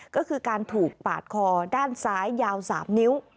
ก็คือการถูกปาดคอด้านซ้ายยาว๓นิ้ว